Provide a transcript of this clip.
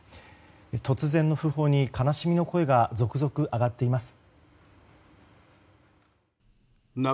突然の訃報に悲しみの声が続々、上がっています。